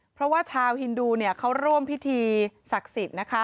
เพราะว่าชาวฮินดูเขาร่วมพิธีศักดิ์สิทธิ์